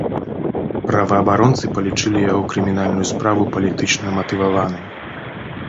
Праваабаронцы палічылі яго крымінальную справу палітычна матываванай.